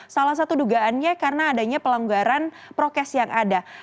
salah satu dugaannya karena adanya pelonggaran prokes yang ada